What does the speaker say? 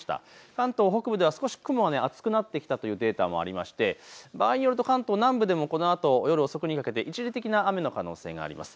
関東北部では少し雲が厚くなってきたというデータもありまして場合によると関東南部でもこのあと夜遅くにかけて一時的に雨の可能性があります。